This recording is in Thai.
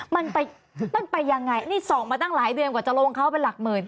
มันไปมันไปยังไงนี่ส่องมาตั้งหลายเดือนกว่าจะลงเขาเป็นหลักหมื่น